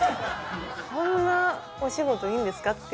こんなお仕事いいんですか？